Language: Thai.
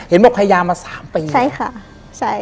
เห็นบอกพยายามมาสามปีใช่ค่ะใช่